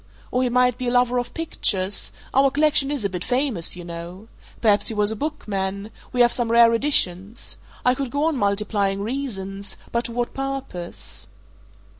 Or he might be a lover of pictures our collection is a bit famous, you know. Perhaps he was a bookman we have some rare editions. I could go on multiplying reasons but to what purpose?"